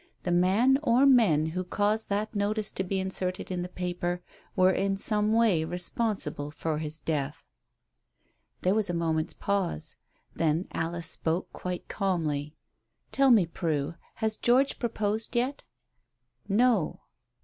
The man or men who cause that notice to be inserted in the paper were in some way responsible for his death." There was a moment's pause. Then Alice spoke quite calmly. "Tell me, Prue, has George proposed yet?" "No."